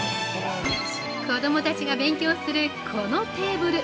◆子どもたちが勉強するこのテーブル。